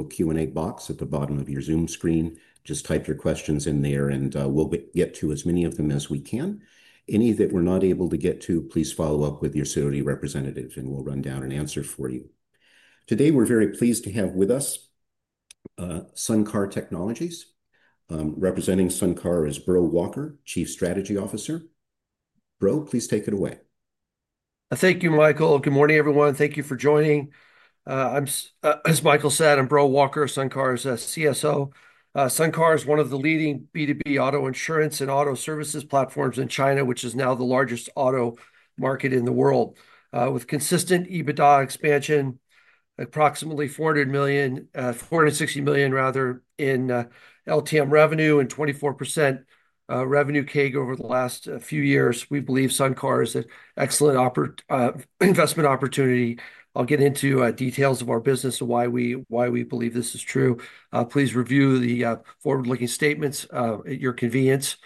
Little Q&A box at the bottom of your Zoom screen. Just type your questions in there, and we'll get to as many of them as we can. Any that we're not able to get to, please follow up with your COD representative, and we'll run down an answer for you. Today, we're very pleased to have with us SunCar Technologies. Representing SunCar is Breaux Walker, Chief Strategy Officer. Breaux, please take it away. Thank you, Michael. Good morning, everyone. Thank you for joining. As Michael said, I'm Breaux Walker, SunCar's CSO. SunCar is one of the leading B2B auto insurance and auto services platforms in China, which is now the largest auto market in the world. With consistent EBITDA expansion, approximately $460 million, rather, in LTM revenue and 24% revenue CAGR over the last few years, we believe SunCar is an excellent investment opportunity. I'll get into details of our business and why we believe this is true. Please review the forward-looking statements at your convenience.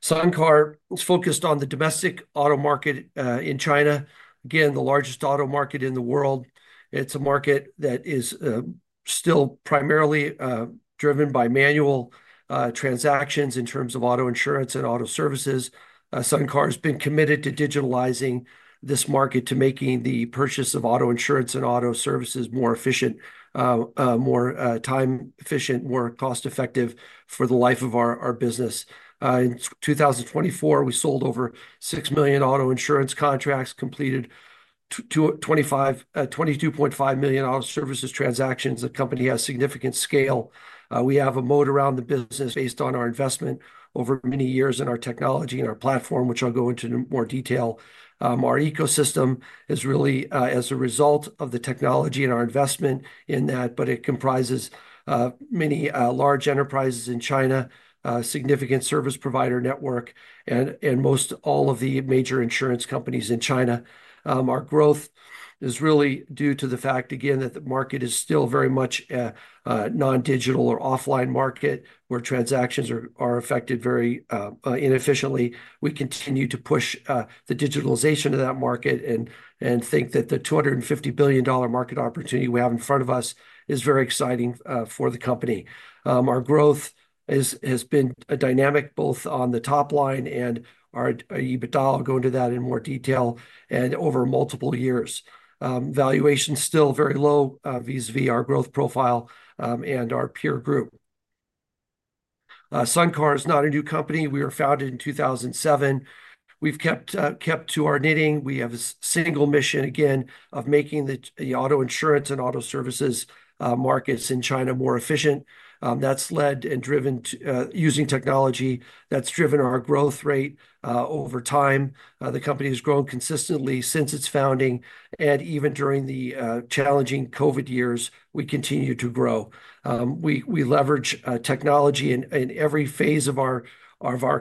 SunCar is focused on the domestic auto market in China. Again, the largest auto market in the world. It's a market that is still primarily driven by manual transactions in terms of auto insurance and auto services. SunCar has been committed to digitalizing this market, to making the purchase of auto insurance and auto services more efficient, more time-efficient, more cost-effective for the life of our business. In 2024, we sold over 6 million auto insurance contracts, completed 22.5 million auto services transactions. The company has significant scale. We have a moat around the business based on our investment over many years in our technology and our platform, which I'll go into more detail. Our ecosystem is really as a result of the technology and our investment in that, but it comprises many large enterprises in China, a significant service provider network, and most all of the major insurance companies in China. Our growth is really due to the fact, again, that the market is still very much a non-digital or offline market where transactions are affected very inefficiently. We continue to push the digitalization of that market and think that the $250 billion market opportunity we have in front of us is very exciting for the company. Our growth has been dynamic both on the top line and our EBITDA, I'll go into that in more detail, and over multiple years. Valuation is still very low vis-à-vis our growth profile and our peer group. SunCar is not a new company. We were founded in 2007. We've kept to our knitting. We have a single mission, again, of making the auto insurance and auto services markets in China more efficient. That's led and driven using technology that's driven our growth rate over time. The company has grown consistently since its founding, and even during the challenging COVID years, we continue to grow. We leverage technology in every phase of our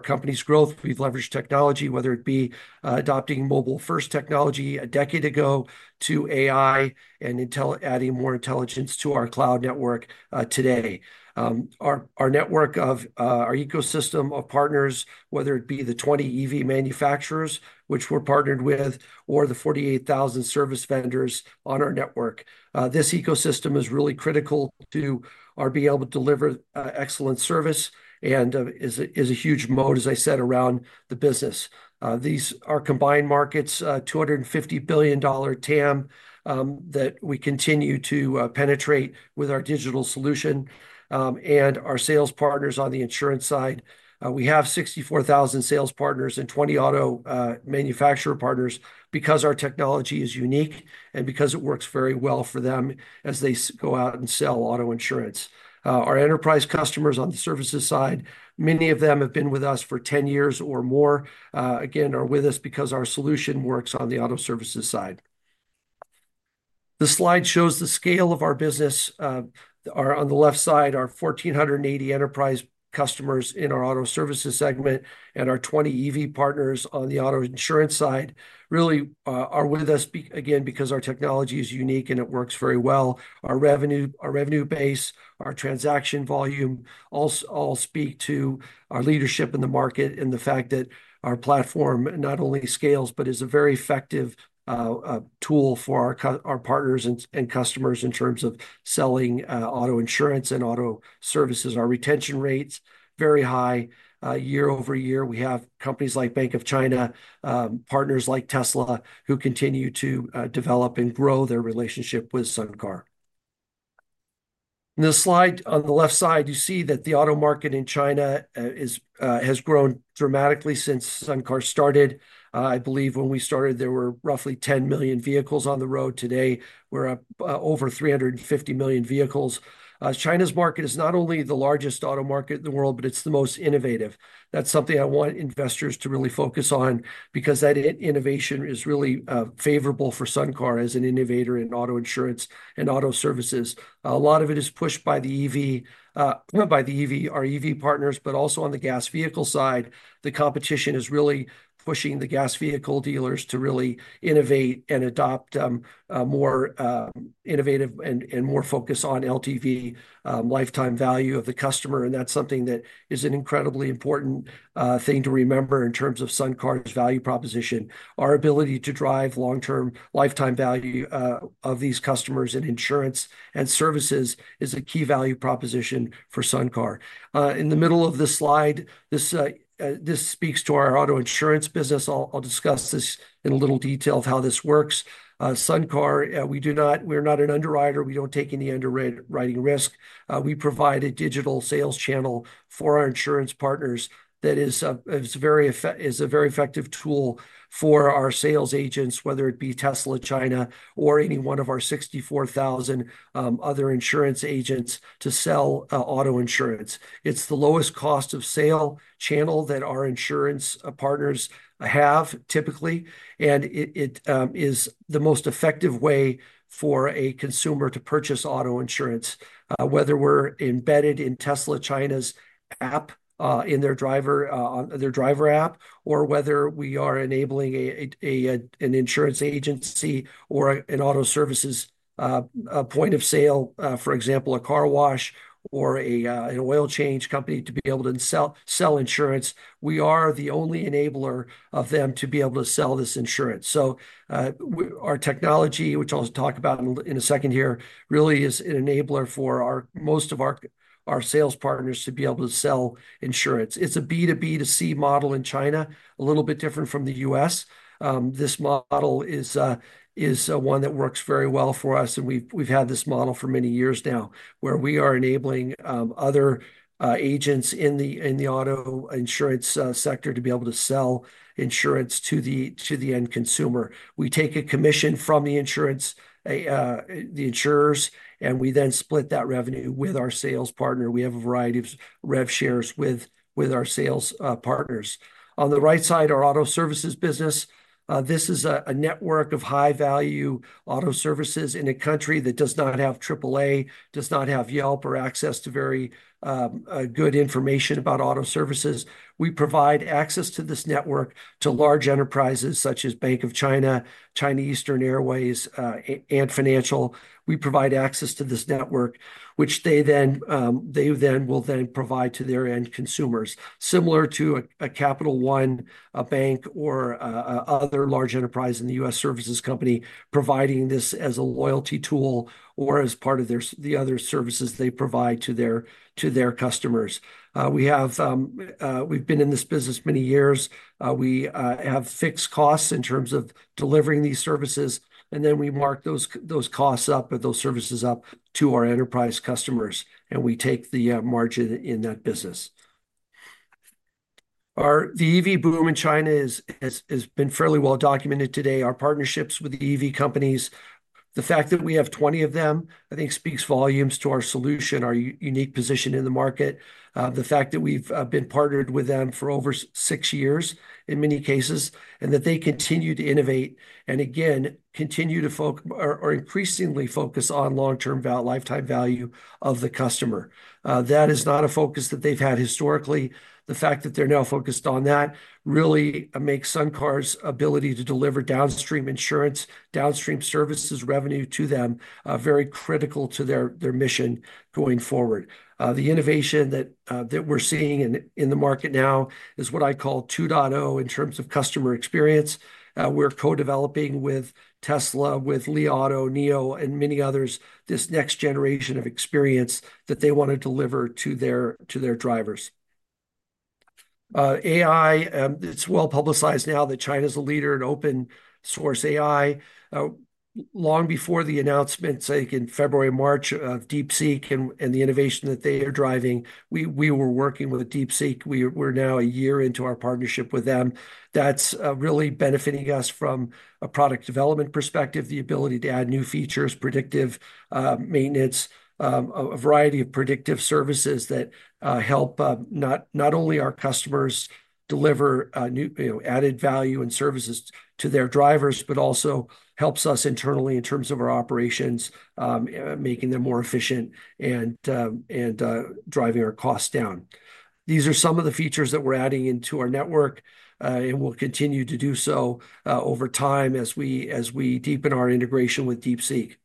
company's growth. We've leveraged technology, whether it be adopting mobile-first technology a decade ago to AI and adding more intelligence to our cloud network today. Our network of our ecosystem of partners, whether it be the 20 EV manufacturers, which we're partnered with, or the 48,000 service vendors on our network, this ecosystem is really critical to our being able to deliver excellent service and is a huge moat, as I said, around the business. These are combined markets, $250 billion TAM that we continue to penetrate with our digital solution and our sales partners on the insurance side. We have 64,000 sales partners and 20 auto manufacturer partners because our technology is unique and because it works very well for them as they go out and sell auto insurance. Our enterprise customers on the services side, many of them have been with us for 10 years or more, again, are with us because our solution works on the auto services side. The slide shows the scale of our business. On the left side are 1,480 enterprise customers in our auto services segment, and our 20 EV partners on the auto insurance side really are with us, again, because our technology is unique and it works very well. Our revenue base, our transaction volume all speak to our leadership in the market and the fact that our platform not only scales, but is a very effective tool for our partners and customers in terms of selling auto insurance and auto services. Our retention rate is very high year over year. We have companies like Bank of China, partners like Tesla, who continue to develop and grow their relationship with SunCar. In the slide on the left side, you see that the auto market in China has grown dramatically since SunCar started. I believe when we started, there were roughly 10 million vehicles on the road. Today, we're up over 350 million vehicles. China's market is not only the largest auto market in the world, but it's the most innovative. That's something I want investors to really focus on because that innovation is really favorable for SunCar as an innovator in auto insurance and auto services. A lot of it is pushed by the EV, by our EV partners, but also on the gas vehicle side. The competition is really pushing the gas vehicle dealers to really innovate and adopt more innovative and more focus on LTV, lifetime value of the customer. And that's something that is an incredibly important thing to remember in terms of SunCar's value proposition. Our ability to drive long-term lifetime value of these customers in insurance and services is a key value proposition for SunCar. In the middle of the slide, this speaks to our auto insurance business. I'll discuss this in a little detail of how this works. SunCar, we are not an underwriter. We don't take any underwriting risk. We provide a digital sales channel for our insurance partners that is a very effective tool for our sales agents, whether it be Tesla, China, or any one of our 64,000 other insurance agents to sell auto insurance. It's the lowest cost of sale channel that our insurance partners have typically, and it is the most effective way for a consumer to purchase auto insurance, whether we're embedded in Tesla China's app, in their driver app, or whether we are enabling an insurance agency or an auto services point of sale, for example, a car wash or an oil change company to be able to sell insurance. We are the only enabler of them to be able to sell this insurance. Our technology, which I'll talk about in a second here, really is an enabler for most of our sales partners to be able to sell insurance. It's a B2B to C model in China, a little bit different from the U.S. This model is one that works very well for us, and we've had this model for many years now where we are enabling other agents in the auto insurance sector to be able to sell insurance to the end consumer. We take a commission from the insurers, and we then split that revenue with our sales partner. We have a variety of rev shares with our sales partners. On the right side, our auto services business. This is a network of high-value auto services in a country that does not have AAA, does not have Yelp, or access to very good information about auto services. We provide access to this network to large enterprises such as Bank of China, China Eastern Airlines, and Financial. We provide access to this network, which they then will then provide to their end consumers, similar to a Capital One bank or other large enterprise in the U.S. services company providing this as a loyalty tool or as part of the other services they provide to their customers. We've been in this business many years. We have fixed costs in terms of delivering these services, and then we mark those costs up or those services up to our enterprise customers, and we take the margin in that business. The EV boom in China has been fairly well documented today. Our partnerships with the EV companies, the fact that we have 20 of them, I think speaks volumes to our solution, our unique position in the market, the fact that we've been partnered with them for over six years in many cases, and that they continue to innovate and, again, continue to focus or increasingly focus on long-term lifetime value of the customer. That is not a focus that they've had historically. The fact that they're now focused on that really makes SunCar's ability to deliver downstream insurance, downstream services revenue to them very critical to their mission going forward. The innovation that we're seeing in the market now is what I call 2.0 in terms of customer experience. We're co-developing with Tesla, with Li Auto, Nio, and many others this next generation of experience that they want to deliver to their drivers. AI, it's well publicized now that China is a leader in open-source AI. Long before the announcements, I think in February, March, of DeepSeek and the innovation that they are driving, we were working with DeepSeek. We're now a year into our partnership with them. That's really benefiting us from a product development perspective, the ability to add new features, predictive maintenance, a variety of predictive services that help not only our customers deliver added value and services to their drivers, but also helps us internally in terms of our operations, making them more efficient and driving our costs down. These are some of the features that we're adding into our network, and we'll continue to do so over time as we deepen our integration with DeepSeek.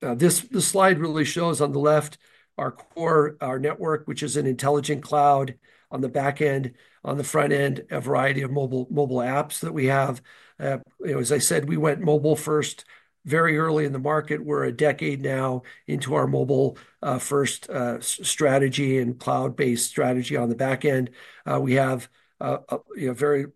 This slide really shows on the left our core, our network, which is an intelligent cloud on the back end. On the front end, a variety of mobile apps that we have. As I said, we went mobile-first very early in the market. We're a decade now into our mobile-first strategy and cloud-based strategy on the back end. We have a very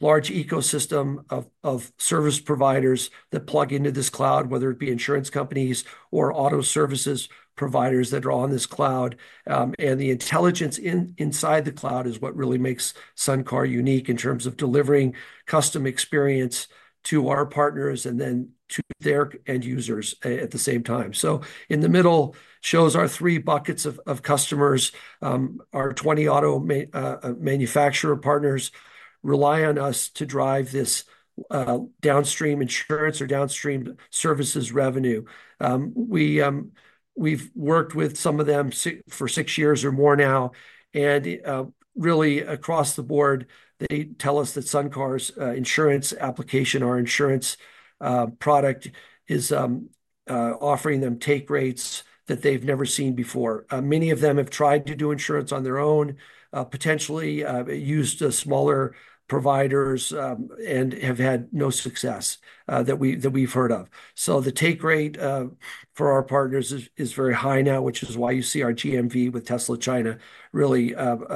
large ecosystem of service providers that plug into this cloud, whether it be insurance companies or auto services providers that are on this cloud. The intelligence inside the cloud is what really makes SunCar unique in terms of delivering custom experience to our partners and then to their end users at the same time. In the middle shows our three buckets of customers. Our 20 auto manufacturer partners rely on us to drive this downstream insurance or downstream services revenue. We've worked with some of them for six years or more now. Really, across the board, they tell us that SunCar's insurance application, our insurance product, is offering them take rates that they've never seen before. Many of them have tried to do insurance on their own, potentially used smaller providers, and have had no success that we've heard of. The take rate for our partners is very high now, which is why you see our GMV with Tesla China really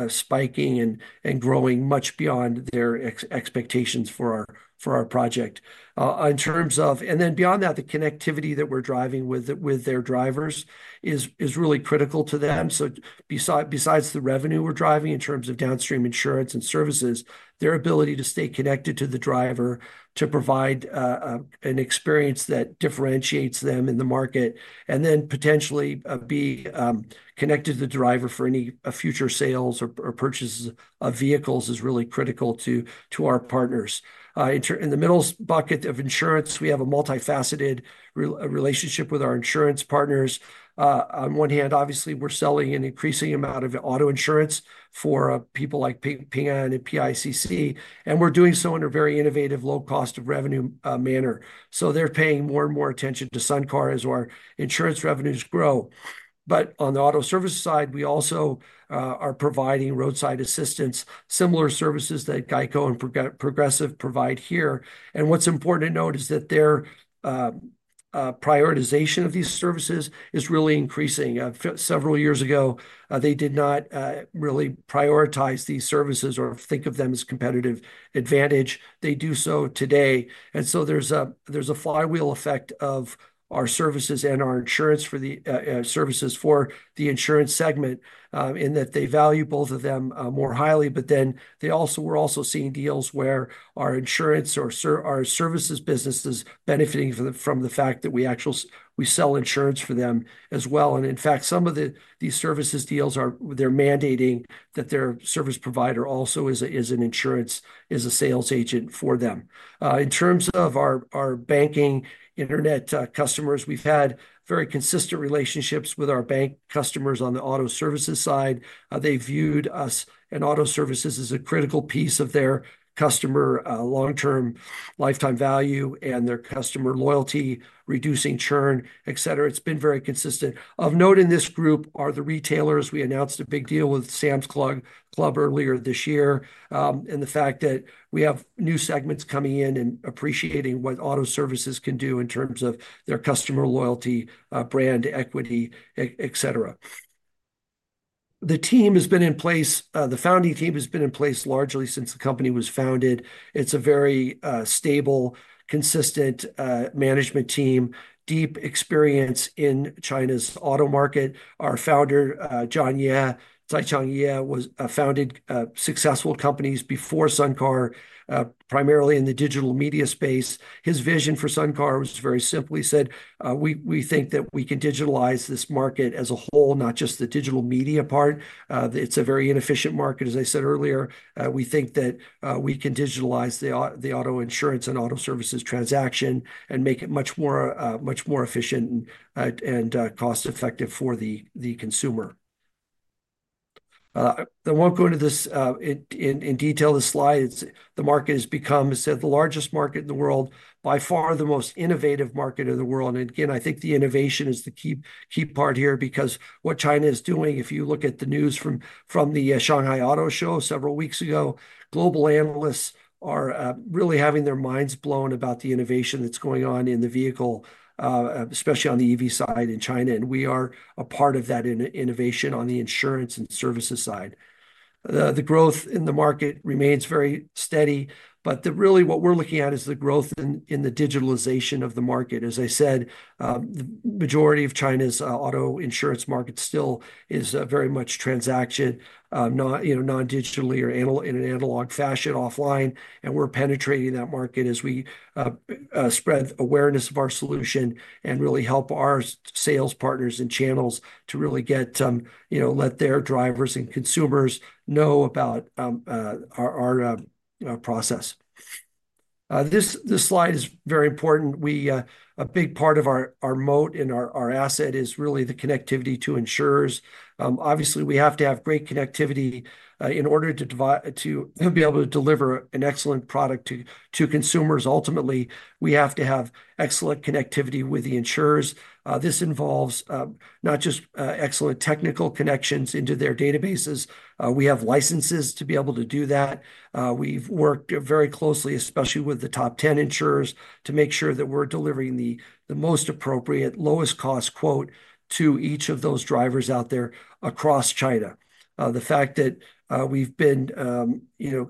spiking and growing much beyond their expectations for our project. In terms of, and then beyond that, the connectivity that we're driving with their drivers is really critical to them. Besides the revenue we're driving in terms of downstream insurance and services, their ability to stay connected to the driver, to provide an experience that differentiates them in the market, and then potentially be connected to the driver for any future sales or purchases of vehicles is really critical to our partners. In the middle bucket of insurance, we have a multifaceted relationship with our insurance partners. On one hand, obviously, we're selling an increasing amount of auto insurance for people like Ping An and PICC, and we're doing so in a very innovative, low-cost of revenue manner. They're paying more and more attention to SunCar as our insurance revenues grow. On the auto service side, we also are providing roadside assistance, similar services that Geico and Progressive provide here. What's important to note is that their prioritization of these services is really increasing. Several years ago, they did not really prioritize these services or think of them as a competitive advantage. They do so today. There is a flywheel effect of our services and our insurance for the services for the insurance segment in that they value both of them more highly, but then we're also seeing deals where our insurance or our services business is benefiting from the fact that we sell insurance for them as well. In fact, some of these services deals, they're mandating that their service provider also is an insurance, is a sales agent for them. In terms of our banking internet customers, we've had very consistent relationships with our bank customers on the auto services side. They viewed us and auto services as a critical piece of their customer long-term lifetime value and their customer loyalty, reducing churn, etc. It's been very consistent. Of note in this group are the retailers. We announced a big deal with Sam's Club earlier this year and the fact that we have new segments coming in and appreciating what auto services can do in terms of their customer loyalty, brand equity, etc. The team has been in place. The founding team has been in place largely since the company was founded. It's a very stable, consistent management team, deep experience in China's auto market. Our founder, Zaichang Ye, founded successful companies before SunCar, primarily in the digital media space. His vision for SunCar was very simple. He said, "We think that we can digitalize this market as a whole, not just the digital media part. It's a very inefficient market, as I said earlier. We think that we can digitalize the auto insurance and auto services transaction and make it much more efficient and cost-effective for the consumer. I won't go into this in detail. The market has become, as I said, the largest market in the world, by far the most innovative market in the world. I think the innovation is the key part here because what China is doing, if you look at the news from the Shanghai Auto Show several weeks ago, global analysts are really having their minds blown about the innovation that's going on in the vehicle, especially on the EV side in China. We are a part of that innovation on the insurance and services side. The growth in the market remains very steady, but really what we're looking at is the growth in the digitalization of the market. As I said, the majority of China's auto insurance market still is very much transaction, non-digitally or in an analog fashion offline. We are penetrating that market as we spread awareness of our solution and really help our sales partners and channels to really let their drivers and consumers know about our process. This slide is very important. A big part of our moat and our asset is really the connectivity to insurers. Obviously, we have to have great connectivity in order to be able to deliver an excellent product to consumers. Ultimately, we have to have excellent connectivity with the insurers. This involves not just excellent technical connections into their databases. We have licenses to be able to do that. We've worked very closely, especially with the top 10 insurers, to make sure that we're delivering the most appropriate, lowest cost quote to each of those drivers out there across China. The fact that we've been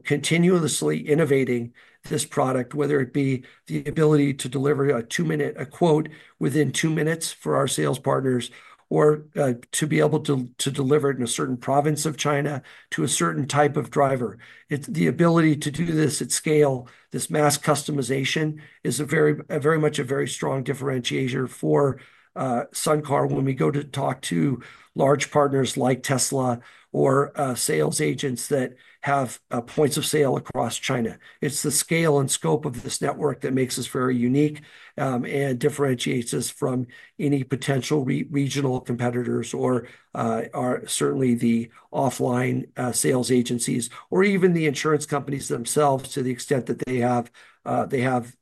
continuously innovating this product, whether it be the ability to deliver a quote within two minutes for our sales partners or to be able to deliver it in a certain province of China to a certain type of driver. The ability to do this at scale, this mass customization, is very much a very strong differentiator for SunCar when we go to talk to large partners like Tesla or sales agents that have points of sale across China. It's the scale and scope of this network that makes us very unique and differentiates us from any potential regional competitors or certainly the offline sales agencies or even the insurance companies themselves to the extent that they have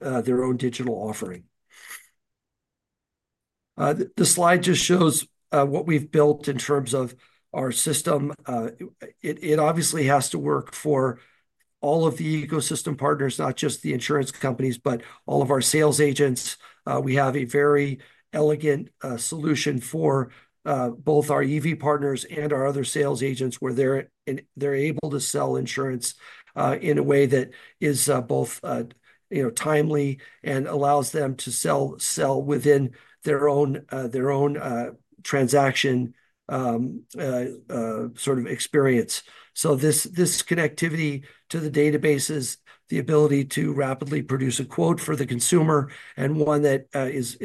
their own digital offering. The slide just shows what we've built in terms of our system. It obviously has to work for all of the ecosystem partners, not just the insurance companies, but all of our sales agents. We have a very elegant solution for both our EV partners and our other sales agents where they're able to sell insurance in a way that is both timely and allows them to sell within their own transaction sort of experience. This connectivity to the databases, the ability to rapidly produce a quote for the consumer and one that is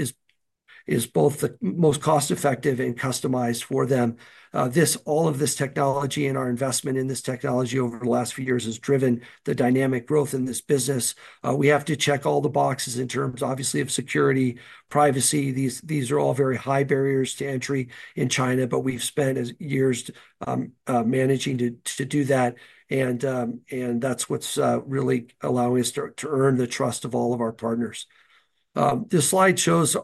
both the most cost-effective and customized for them. All of this technology and our investment in this technology over the last few years has driven the dynamic growth in this business. We have to check all the boxes in terms obviously of security, privacy. These are all very high barriers to entry in China, but we have spent years managing to do that. That is what is really allowing us to earn the trust of all of our partners. This slide shows,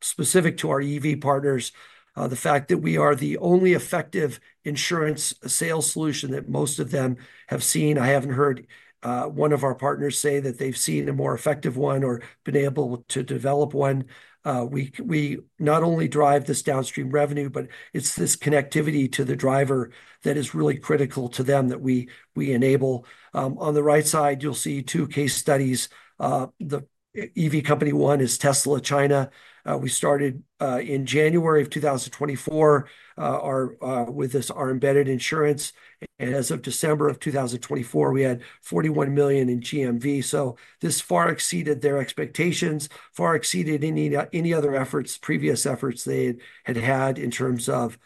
specific to our EV partners, the fact that we are the only effective insurance sales solution that most of them have seen. I have not heard one of our partners say that they have seen a more effective one or been able to develop one. We not only drive this downstream revenue, but it is this connectivity to the driver that is really critical to them that we enable. On the right side, you will see two case studies. The EV company one is Tesla China. We started in January of 2024 with this, our embedded insurance. As of December of 2024, we had $41 million in GMV. This far exceeded their expectations, far exceeded any other efforts, previous efforts they had had in terms of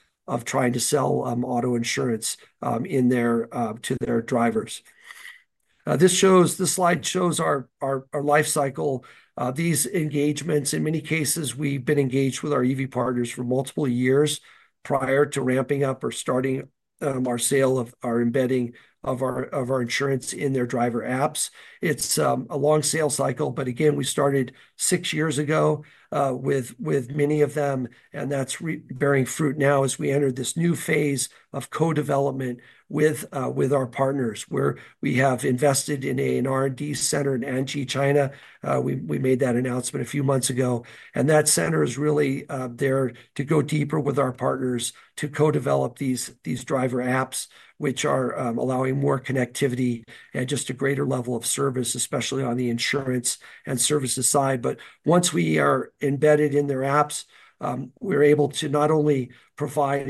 trying to sell auto insurance to their drivers. This slide shows our life cycle. These engagements, in many cases, we've been engaged with our EV partners for multiple years prior to ramping up or starting our sale of our embedding of our insurance in their driver apps. It's a long sales cycle, but again, we started six years ago with many of them. That's bearing fruit now as we enter this new phase of co-development with our partners where we have invested in an R&D center in Anting, China. We made that announcement a few months ago. That center is really there to go deeper with our partners to co-develop these driver apps, which are allowing more connectivity and just a greater level of service, especially on the insurance and services side. Once we are embedded in their apps, we're able to not only provide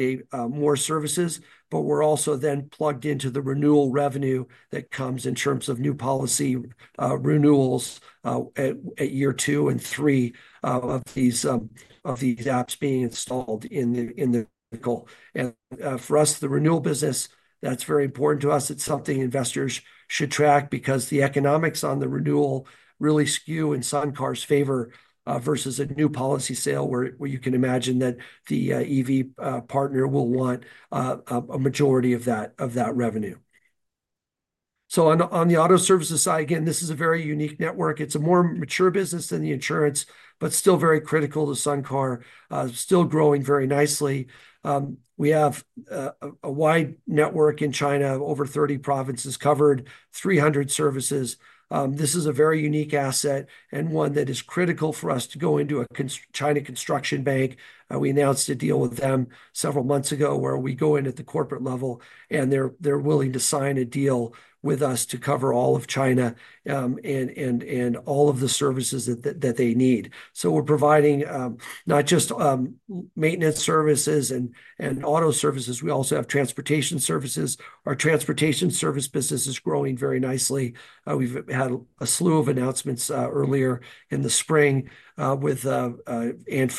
more services, but we're also then plugged into the renewal revenue that comes in terms of new policy renewals at year two and three of these apps being installed in the vehicle. For us, the renewal business, that's very important to us. It's something investors should track because the economics on the renewal really skew in SunCar's favor versus a new policy sale where you can imagine that the EV partner will want a majority of that revenue. On the auto services side, again, this is a very unique network. It's a more mature business than the insurance, but still very critical to SunCar, still growing very nicely. We have a wide network in China, over 30 provinces covered, 300 services. This is a very unique asset and one that is critical for us to go into a China Construction Bank. We announced a deal with them several months ago where we go in at the corporate level and they're willing to sign a deal with us to cover all of China and all of the services that they need. We are providing not just maintenance services and auto services. We also have transportation services. Our transportation service business is growing very nicely. We've had a slew of announcements earlier in the spring with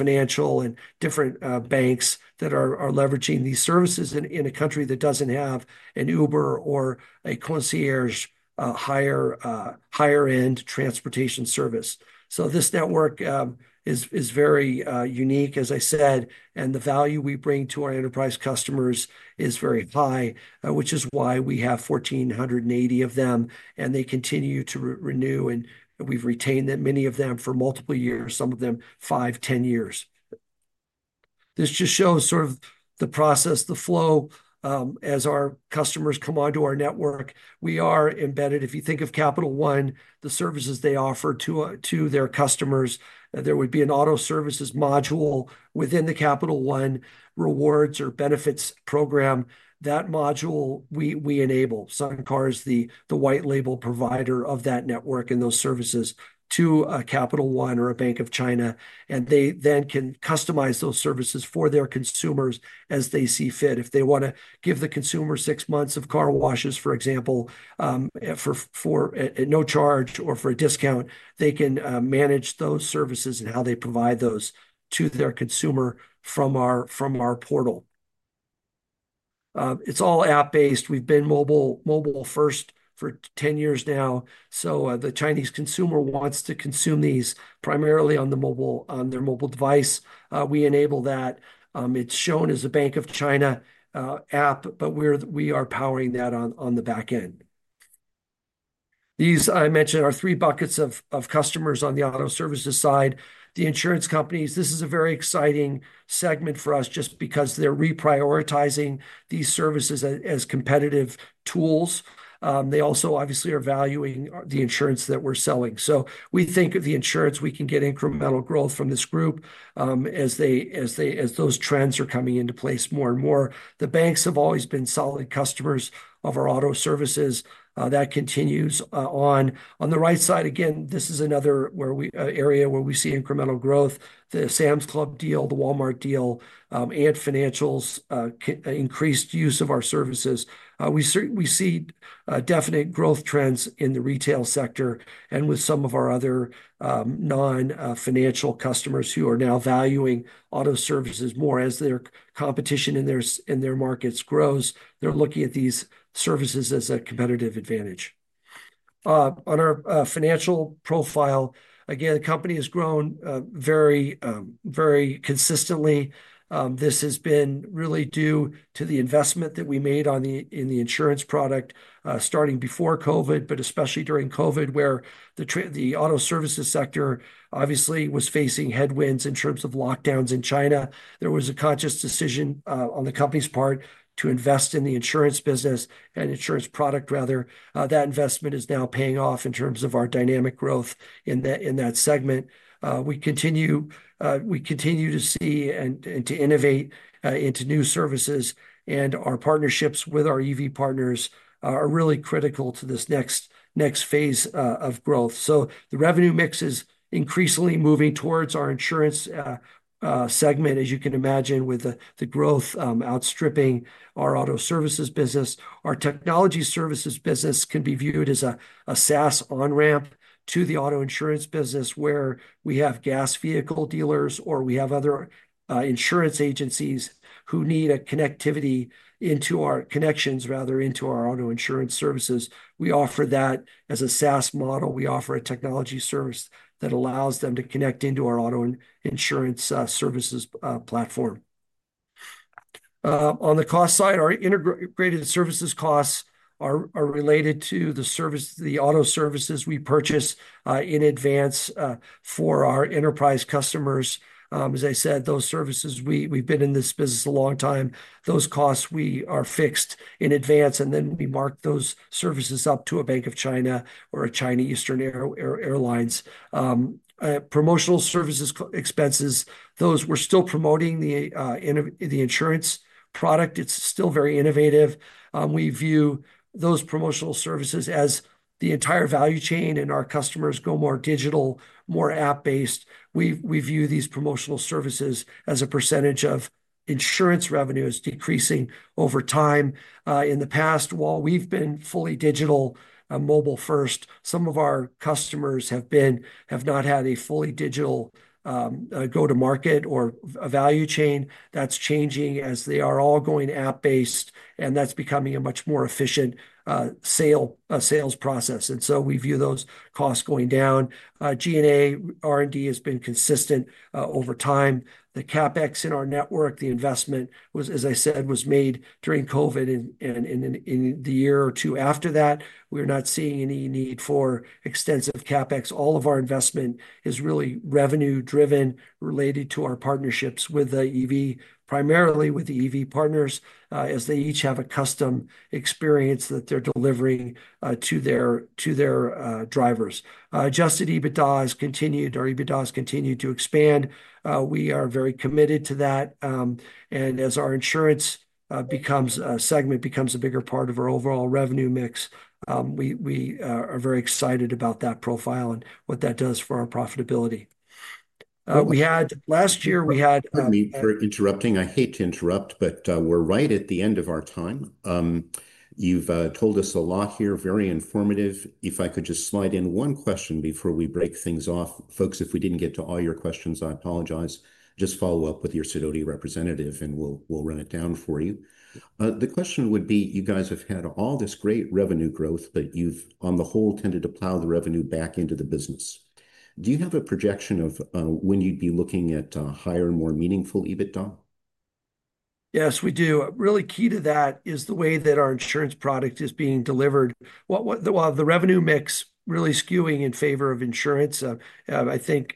Financial and different banks that are leveraging these services in a country that doesn't have an Uber or a concierge higher-end transportation service. This network is very unique, as I said, and the value we bring to our enterprise customers is very high, which is why we have 1,480 of them and they continue to renew. We've retained many of them for multiple years, some of them 5, 10 years. This just shows sort of the process, the flow as our customers come onto our network. We are embedded. If you think of Capital One, the services they offer to their customers, there would be an auto services module within the Capital One rewards or benefits program. That module, we enable SunCar as the white label provider of that network and those services to Capital One or a Bank of China. They then can customize those services for their consumers as they see fit. If they want to give the consumer six months of car washes, for example, at no charge or for a discount, they can manage those services and how they provide those to their consumer from our portal. It is all app-based. We have been mobile first for 10 years now. The Chinese consumer wants to consume these primarily on their mobile device. We enable that. It is shown as a Bank of China app, but we are powering that on the back end. These, I mentioned, are three buckets of customers on the auto services side. The insurance companies, this is a very exciting segment for us just because they are reprioritizing these services as competitive tools. They also obviously are valuing the insurance that we are selling. We think of the insurance, we can get incremental growth from this group as those trends are coming into place more and more. The banks have always been solid customers of our auto services. That continues on. On the right side, again, this is another area where we see incremental growth. The Sam's Club deal, the Walmart deal, and Financial's increased use of our services. We see definite growth trends in the retail sector and with some of our other non-financial customers who are now valuing auto services more as their competition in their markets grows. They're looking at these services as a competitive advantage. On our financial profile, again, the company has grown very consistently. This has been really due to the investment that we made in the insurance product starting before COVID, but especially during COVID where the auto services sector obviously was facing headwinds in terms of lockdowns in China. There was a conscious decision on the company's part to invest in the insurance business and insurance product, rather. That investment is now paying off in terms of our dynamic growth in that segment. We continue to see and to innovate into new services. Our partnerships with our EV partners are really critical to this next phase of growth. The revenue mix is increasingly moving towards our insurance segment, as you can imagine, with the growth outstripping our auto services business. Our technology services business can be viewed as a SaaS on-ramp to the auto insurance business where we have gas vehicle dealers or we have other insurance agencies who need connectivity into our connections, rather, into our auto insurance services. We offer that as a SaaS model. We offer a technology service that allows them to connect into our auto insurance services platform. On the cost side, our integrated services costs are related to the auto services we purchase in advance for our enterprise customers. As I said, those services, we've been in this business a long time. Those costs, we are fixed in advance, and then we mark those services up to a Bank of China or a China Eastern Airlines. Promotional services expenses, those we're still promoting the insurance product. It's still very innovative. We view those promotional services as the entire value chain and our customers go more digital, more app-based. We view these promotional services as a percentage of insurance revenues decreasing over time. In the past, while we've been fully digital, mobile first, some of our customers have not had a fully digital go-to-market or a value chain. That's changing as they are all going app-based, and that's becoming a much more efficient sales process. We view those costs going down. G&A R&D has been consistent over time. The CapEx in our network, the investment, as I said, was made during COVID and in the year or two after that. We're not seeing any need for extensive CapEx. All of our investment is really revenue-driven related to our partnerships with the EV, primarily with the EV partners as they each have a custom experience that they're delivering to their drivers. Just the EBITDA has continued to expand. We are very committed to that. As our insurance segment becomes a bigger part of our overall revenue mix, we are very excited about that profile and what that does for our profitability. Last year, we had— Sorry for interrupting. I hate to interrupt, but we're right at the end of our time. You've told us a lot here, very informative. If I could just slide in one question before we break things off. Folks, if we did not get to all your questions, I apologize. Just follow up with your CEODTE representative and we will run it down for you. The question would be, you guys have had all this great revenue growth, but you have, on the whole, tended to plow the revenue back into the business. Do you have a projection of when you would be looking at higher and more meaningful EBITDA? Yes, we do. Really key to that is the way that our insurance product is being delivered. While the revenue mix is really skewing in favor of insurance, I think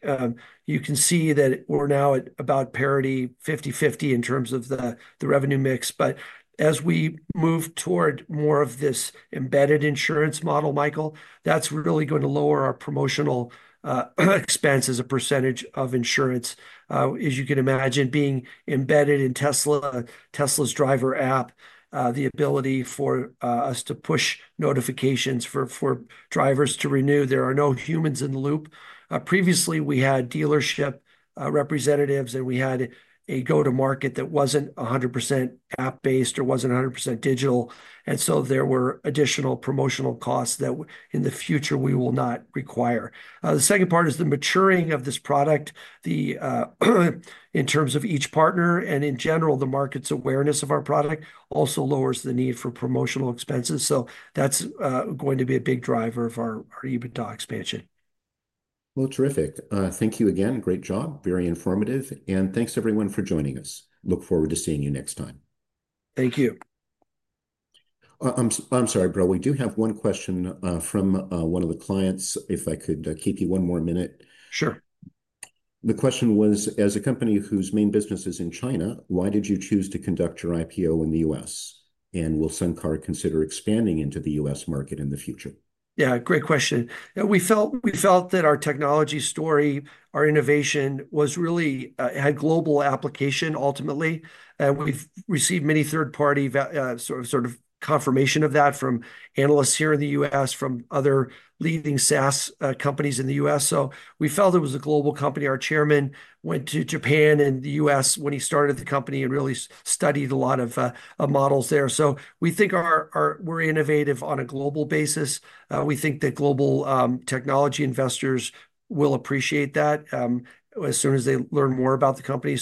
you can see that we are now at about parity, 50-50 in terms of the revenue mix. As we move toward more of this embedded insurance model, Michael, that is really going to lower our promotional expense as a percentage of insurance. As you can imagine, being embedded in Tesla's Driver app, the ability for us to push notifications for drivers to renew, there are no humans in the loop. Previously, we had dealership representatives and we had a go-to-market that was not 100% app-based or was not 100% digital. There were additional promotional costs that in the future we will not require. The second part is the maturing of this product in terms of each partner and in general, the market's awareness of our product also lowers the need for promotional expenses. That is going to be a big driver of our EBITDA expansion. Thank you again. Great job. Very informative. Thanks, everyone, for joining us. Look forward to seeing you next time. Thank you. I'm sorry, Breaux. We do have one question from one of the clients. If I could keep you one more minute. Sure. The question was, as a company whose main business is in China, why did you choose to conduct your IPO in the U.S.? Will SunCar consider expanding into the U.S. market in the future? Yeah, great question. We felt that our technology story, our innovation had global application ultimately. We have received many third-party sort of confirmations of that from analysts here in the U.S., from other leading SaaS companies in the U.S. We felt it was a global company. Our chairman went to Japan and the U.S. when he started the company and really studied a lot of models there. We think we are innovative on a global basis. We think that global technology investors will appreciate that as soon as they learn more about the company.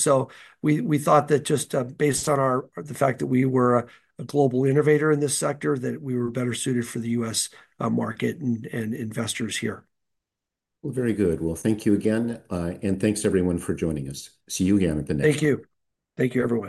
We thought that just based on the fact that we were a global innovator in this sector, that we were better suited for the U.S. market and investors here. Very good. Thank you again. Thanks, everyone, for joining us. See you again at the next one. Thank you. Thank you, everyone.